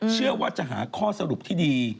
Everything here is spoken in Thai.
เชื่อว่าจะหาข้อสรุปที่ดี